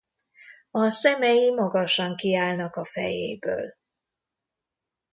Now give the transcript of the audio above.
A szemei magasan kiállnak a fejéből.